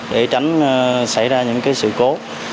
để tránh xảy ra những sự cố